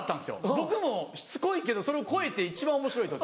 僕もしつこいけどそれを超えて一番おもしろい時。